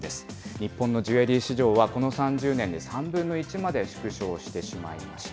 日本のジュエリー市場は、この３０年で３分の１まで縮小してしまいました。